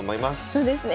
そうですね。